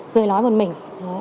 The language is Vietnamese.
cười nói một mình